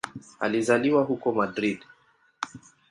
Alizaliwa huko Madrid.